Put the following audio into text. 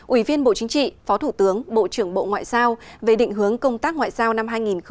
ủy viên bộ chính trị phó thủ tướng bộ trưởng bộ ngoại giao về định hướng công tác ngoại giao năm hai nghìn hai mươi